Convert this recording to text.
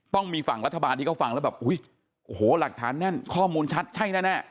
ต้องมีฝั่งรัฐบาลที่เขาฟังแล้วแบบอุ้ยโอ้โหหลักฐานแน่นข้อมูลชัดใช่แน่